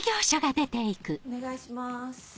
お願いします。